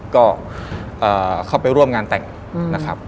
ก็เข้าไปร่วมงานแต่งนะครับ